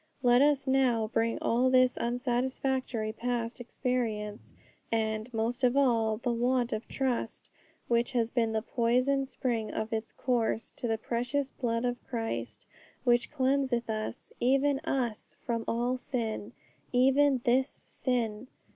Let us now bring all this unsatisfactory past experience, and, most of all, the want of trust which has been the poison spring of its course, to the precious blood of Christ, which cleanseth us, even us, from all sin, even this sin.